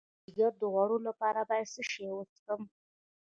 د ځیګر د غوړ لپاره باید څه شی وڅښم؟